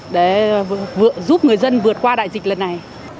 để vừa giúp người dân vượt qua đại dịch lần này